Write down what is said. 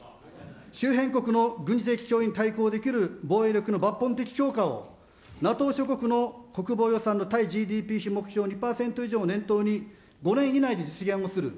周辺国の軍事的脅威に対抗できる防衛力の抜本的強化を、ＮＡＴＯ諸国の国防予算の対ＧＤＰ費目標２％以上を念頭に、５年以内に実現をする。